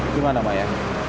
gimana pak ya